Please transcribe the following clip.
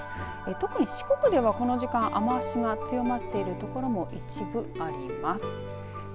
特に四国ではこの時間雨足が強まっている所も一部あります。